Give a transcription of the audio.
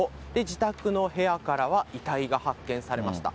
自宅の部屋からは、遺体が発見されました。